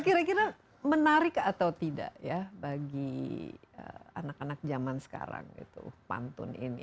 kira kira menarik atau tidak ya bagi anak anak zaman sekarang itu pantun ini